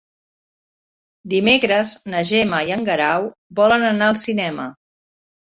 Dimecres na Gemma i en Guerau volen anar al cinema.